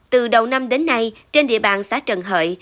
từ đầu năm đến nay trên địa bàn xã trần hợi